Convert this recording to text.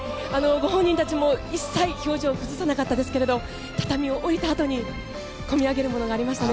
ご本人たちも一切、表情を崩さなかったですが畳を下りたあとに込み上げるものがありましたね。